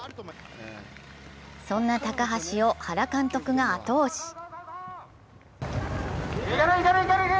そんな高橋を原監督が後押し。